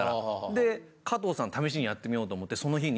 で加藤さん試しにやってみようと思ってその日に。